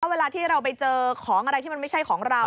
เวลาที่เราไปเจอของอะไรที่มันไม่ใช่ของเรา